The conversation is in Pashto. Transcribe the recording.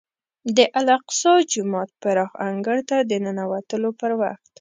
د الاقصی جومات پراخ انګړ ته د ننوتلو پر وخت.